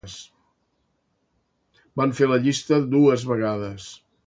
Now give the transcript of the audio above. Van fer la llista dos vegades.